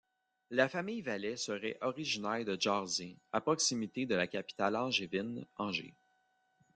La famille Vallet serait originaire de Jarzé, à proximité de la capitale angevine, Angers.